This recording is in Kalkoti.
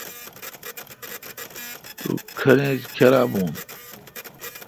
تم کھن ایچ کیرا بھون۔